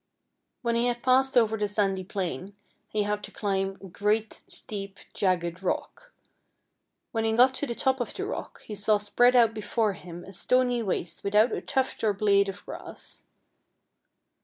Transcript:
When he had passed over the sandy plain, he had to climb a great steep, jagged rock. When he got to the top of the rock he saw spread out be fore him a stony waste without a tuft or blade of grass.